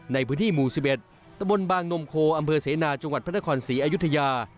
ในพื้นที่หมู่๑๑ตะบนบางนมโคอำเภอเสนาจังหวัดพระนครศรีอยุธยา